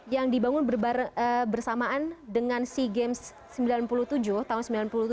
yang dibangun bersamaan dengan sea games sembilan puluh tujuh tahun sembilan puluh tujuh